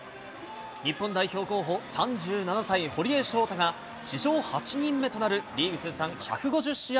日本代表候補、３７歳、堀江翔太が、史上８人目となるリーグ通算１５０試合